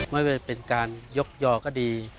ไม่ว่าจะเป็นการยกยอก็ดี